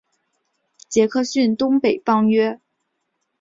杰克逊东北方约。